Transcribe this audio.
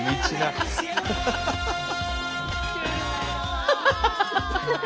ハハハハハハ！